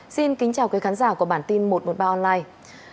xin kính chào quý khán giả của bản tin một trăm một mươi ba online